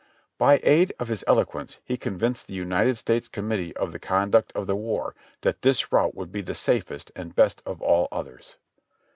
By aid of his eloquence he convinced the United States Committee on the Conduct of the War that this route would be the safest and best of all others.